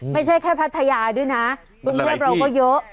ไม่ใช่แค่พัทยาด้วยนะกรุงเทพเราก็เยอะ